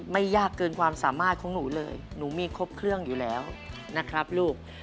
ยากเกินความสามารถของหนูเลยหนูมีครบเครื่องอยู่แล้วนะครับลูก